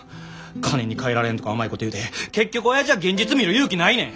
金にかえられんとか甘いこと言うて結局おやじは現実見る勇気ないねん。